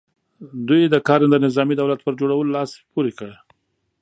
دوی د کارنده نظامي دولت پر جوړولو لاس پ ورې کړ.